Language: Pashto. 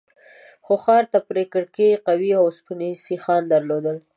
خو ښار ته پرې کړکۍ قوي اوسپنيز سيخان درلودل.